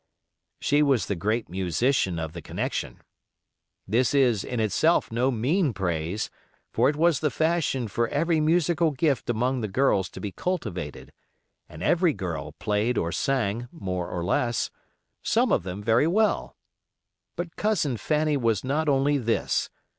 She was the great musician of the connection. This is in itself no mean praise; for it was the fashion for every musical gift among the girls to be cultivated, and every girl played or sang more or less, some of them very well. But Cousin Fanny was not only this.